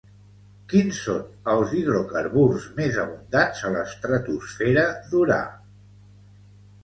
Quins són els hidrocarburs més abundants a l'estratosfera d'Urà?